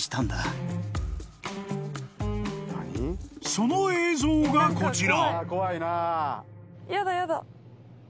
［その映像がこちら］